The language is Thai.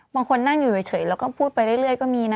บางคนนั่งอยู่เฉยแล้วก็พูดไปเรื่อยก็มีนะ